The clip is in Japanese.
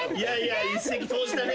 一石投じたね。